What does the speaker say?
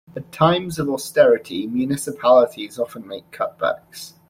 At times of austerity, municipalities often make cutbacks.